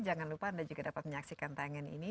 jangan lupa anda juga dapat menyaksikan tayangan ini